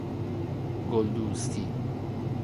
گل دوستی